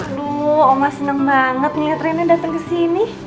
aduh oma seneng banget ngeliat reina dateng kesini